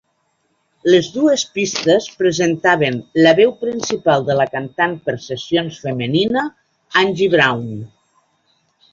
Les dues pistes presentaven la veu principal de la cantant per sessions femenina, Angie Brown.